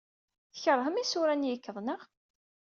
Tkeṛhem isura n yikkeḍ, naɣ?